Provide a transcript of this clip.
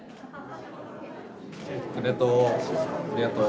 ありがとう。